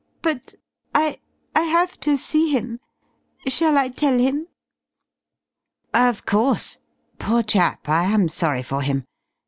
But I I have to see him. Shall I tell him?" "Of course. Poor chap, I am sorry for him.